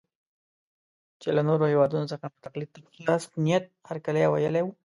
چې له نورو څخه مو تقلید ته په خلاص نیت هرکلی ویلی وي.